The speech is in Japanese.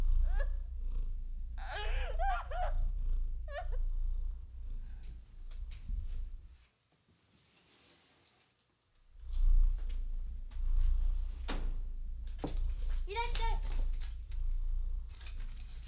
アいらっしゃい！